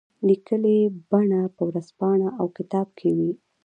لیکلي بڼه په ورځپاڼه او کتاب کې وي.